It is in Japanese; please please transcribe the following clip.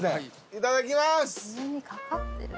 いただきます。